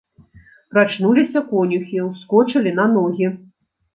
Прачнуліся конюхі, ускочылі на ногі.